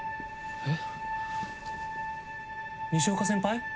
えっ？